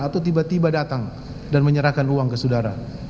atau tiba tiba datang dan menyerahkan uang ke saudara